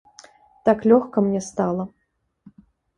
Так лёгка мне стала.